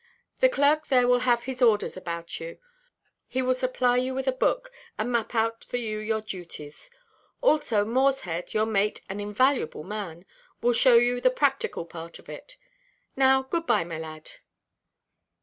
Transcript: The clerk there will have his orders about you. He will supply you with a book, and map out for you your duties. Also Morshead, your mate, an invaluable man, will show you the practical part of it. Now, good–bye, my lad.